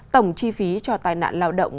tổng chi phí cho tai nạn lao động